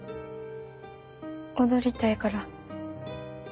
踊りたいから。